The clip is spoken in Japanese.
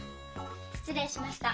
失礼しました。